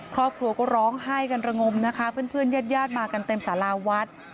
ครอบครัวก็ร้องไห้กันระงมนะคะเพื่อนญาติญาติมากันเต็มสาราวัด